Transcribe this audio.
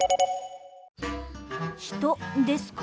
人ですか？